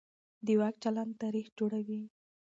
د واک چلند تاریخ جوړوي